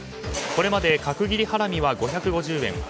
これまで角切りハラミは５５０円